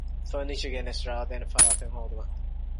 ފަރުނީޗަރ ގެނެސް ރާވައިދޭނެ ފަރާތެއް ހޯދުމަށް